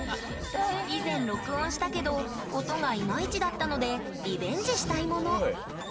以前録音したけど音がイマイチだったのでリベンジしたいもの。